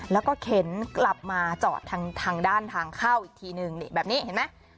แล้วก็เข็นกลับมาจอดทางด้านทางเข้าอีกทีนึงนี่แบบนี้เห็นไหม